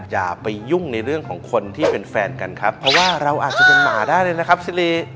อย่าไปยุ่งในเรื่องของคนที่เป็นแฟนกันครับเพราะว่าเราอาจจะเป็นหมาได้เลยนะครับซิริ